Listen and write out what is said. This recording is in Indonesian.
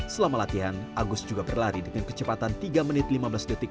selama latihan agus juga berlari dengan kecepatan tiga menit lima belas detik